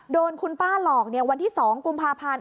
โดนคุณป้าหลอกวันที่๒กุมภาพันธ์